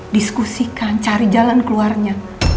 diskusikan cari jalan keluarnya